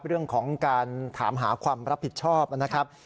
เรื่องของการถามหาความรับผิดชอบนะครับ